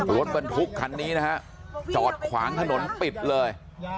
รถบรรทุกคันนี้นะฮะจอดขวางถนนปิดเลย